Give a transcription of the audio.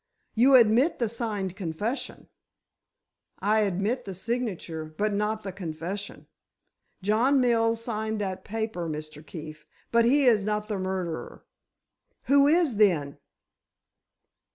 You admit the signed confession?" "I admit the signature, but not the confession. John Mills signed that paper, Mr. Keefe, but he is not the murderer." "Who is, then?"